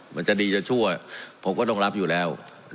มันจะดีจะชั่วผมก็ต้องรับอยู่แล้ว